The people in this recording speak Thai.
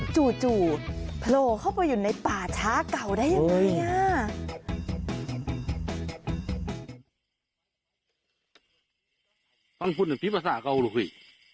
จู่โผล่เข้าไปอยู่ในป่าช้าเก่าได้ยังไงอ่ะ